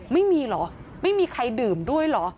ไม่มีเหรอไม่มีใครดื่มด้วยเหรอ